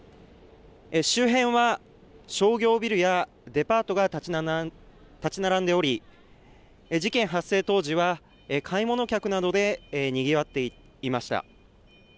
周辺は商業ビルやデパートが建ち並んでおり事件発生当時は買い物客などでにぎわっていていました。